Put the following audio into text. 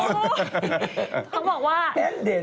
เขาบอกว่าแน่นเด่น